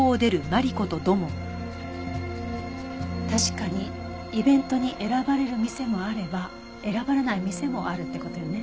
確かにイベントに選ばれる店もあれば選ばれない店もあるって事よね。